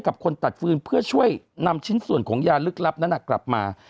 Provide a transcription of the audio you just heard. กับคนตัดฟืนเพื่อช่วยนำชิ้นส่วนของยาลึกลับนั้นกลับมา